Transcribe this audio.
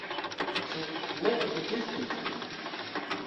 Ĉu ne ekzistis?